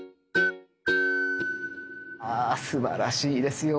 ああすばらしいですよ